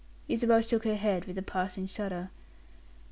Isabel shook her head with a passing shudder.